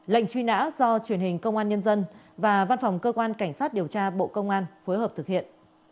lệnh truy nã do truyền hình công an nhân dân và văn phòng cơ quan cảnh sát điều tra bộ công an phối hợp thực hiện